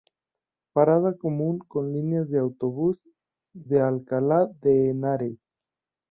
Parada común con líneas de autobús y de Alcalá de Henares.